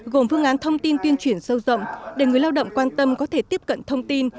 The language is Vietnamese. gồm phương án thông tin tuyên truyền sâu rộng để người lao động quan tâm có thể tiếp cận thông tin